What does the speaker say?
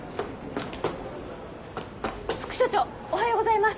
副署長おはようございます！